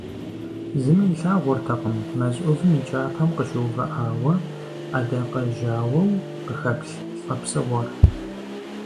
Зыми илъагъуртэкъым мэз ӏувым и кӏапэм къыщыувыӏауэ ӏэдакъэжьауэу къыхэплъ лӏы псыгъуэр.